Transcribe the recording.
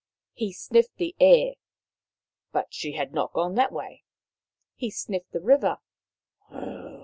He sniffed the air, but she had not gone that way. He sniffed the river.